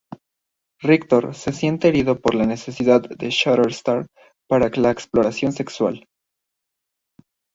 Rictor, se siente herido por la necesidad de Shatterstar para la exploración sexual.